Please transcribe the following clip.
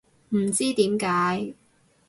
唔知點解